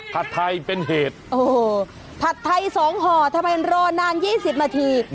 ผัดไทยเป็นเหตุเออผัดไทยสองห่อทำไมรอนานยี่สิบมันที